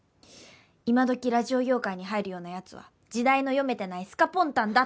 今どきラジオ業界に入るような奴は時代の読めてないスカポンタンだって。